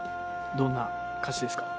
どんな歌詞ですか？